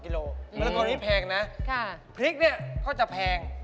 เขาถึงเรียกว่าพริกแพง